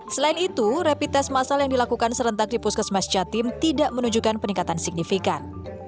selain itu rapid test masal yang dilakukan serentak di puskesmas jatim tidak menunjukkan peningkatan signifikan